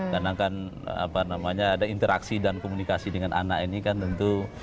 karena kan apa namanya ada interaksi dan komunikasi dengan anak ini kan tentu